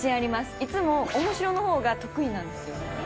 いつも、面白のほうが得意なんですよ。